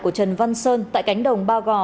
của trần văn sơn tại cánh đồng ba gò